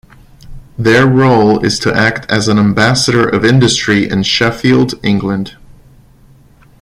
Their role is to act as an ambassador of industry in Sheffield, England.